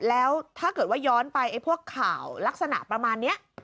แล้วถ้าเกิดว่าย้อนไปไอ้พวกข่าวลักษณะประมาณนี้